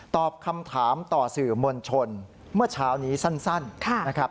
ตอบคำถามต่อสื่อมวลชนเมื่อเช้านี้สั้นนะครับ